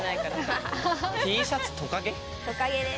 トカゲです。